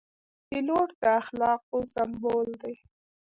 پیلوټ د اخلاقو سمبول دی.